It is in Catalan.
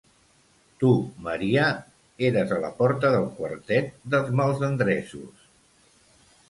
Tu, Maria, eres a la porta del quartet de mals endreços.